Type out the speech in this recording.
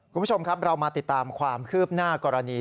คุณผู้ชมครับเรามาติดตามความคืบหน้ากรณี